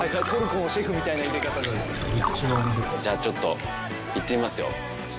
じゃあちょっといってみますよ。